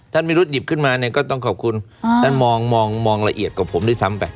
ท่านมีรุ่นหยิบขึ้นมาเนี่ยก็ต้องขอบคุณท่านมองมองมองละเอียดกับผมด้วยซ้ำไป